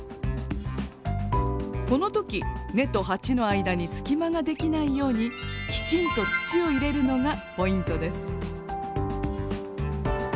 この時根と鉢の間にすき間ができないようにきちんと土を入れるのがポイントです。